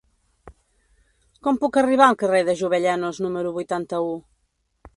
Com puc arribar al carrer de Jovellanos número vuitanta-u?